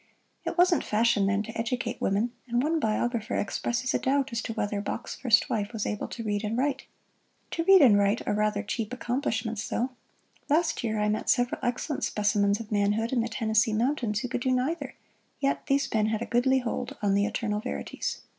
It wasn't fashion then to educate women, and one biographer expresses a doubt as to whether Bach's first wife was able to read and write. To read and write are rather cheap accomplishments, though. Last year I met several excellent specimens of manhood in the Tennessee Mountains who could do neither, yet these men had a goodly hold on the eternal verities.